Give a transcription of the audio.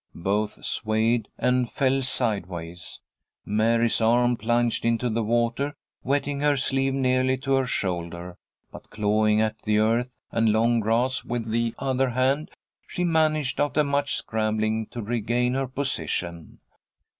Both swayed and fell sideways. Mary's arm plunged into the water, wetting her sleeve nearly to her shoulder, but, clawing at the earth and long grass with the other hand, she managed, after much scrambling, to regain her position.